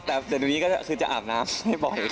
แต่วันนี้ก็จะอาบน้ำให้บ่อย